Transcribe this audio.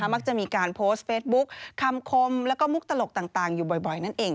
มักจะมีการโพสต์เฟซบุ๊คคำคมแล้วก็มุกตลกต่างอยู่บ่อยนั่นเอง